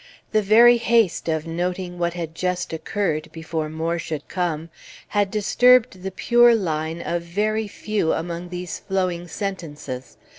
The very haste of noting what had just occurred, before more should come, had disturbed the pure line of very few among these flowing sentences.